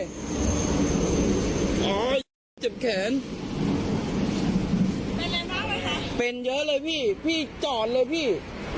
ยายเจ็บแขนเป็นอะไรบ้างไหมคะเป็นเยอะเลยพี่พี่จอดเลยพี่